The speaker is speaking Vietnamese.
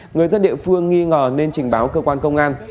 người dân địa phương nghi ngờ nên trình báo cơ quan công an